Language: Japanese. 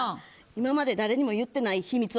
今まで誰にも言ってない秘密